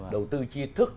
đầu tư chi thức